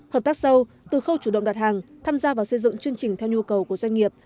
hợp tác sâu từ khâu chủ động đặt hàng tham gia vào xây dựng chương trình theo nhu cầu của doanh nghiệp